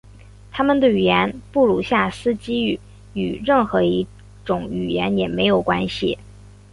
他们的语言布鲁夏斯基语与任何一种语言也没关系。